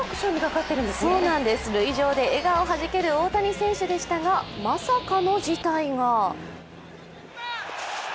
塁上で笑顔はじける大谷選手でしたが、まさかの事態が。